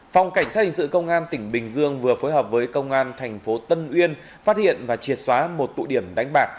phòng cảnh sát hình sự công an tỉnh bình dương vừa phối hợp với công an thành phố tân uyên phát hiện và triệt xóa một tụ điểm đánh bạc